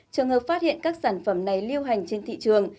trường hợp phát hiện các sản phẩm này lưu hành trên thị trường